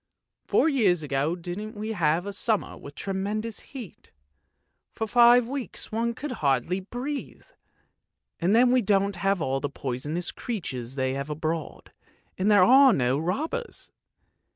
Four years ago didn't we have a summer with tremendous heat, for five weeks one could hardly breathe! And then we don't have all the poisonous creatures they have abroad, and there are no robbers.